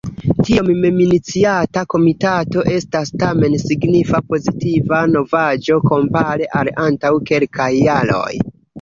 Tiom meminiciata Komitato estas tamen signifa pozitiva novaĵo kompare al antaŭ kelkaj jaroj.